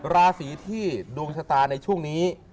ราศีที่ดวงชะตาในช่วงนี้